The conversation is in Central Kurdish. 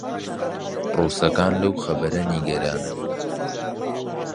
ڕووسەکان لەو خەبەرە نیگەرانن